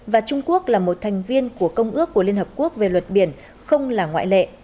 và trung quốc là một thành viên của công ước của liên hợp quốc về luật biển không là ngoại lệ